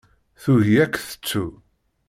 Tugi ad k-tettu.